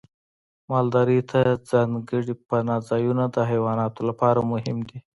مالدارۍ ته ځانګړي پناه ځایونه د حیواناتو لپاره مهم دي.